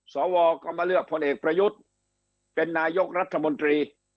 สวก็มาเลือกพลเอกประยุทธ์เป็นนายกรัฐมนตรี